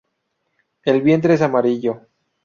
El vientre es amarillo.